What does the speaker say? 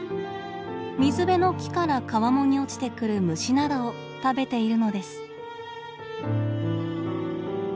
水辺の木から川面に落ちてくる虫などを食べているのです。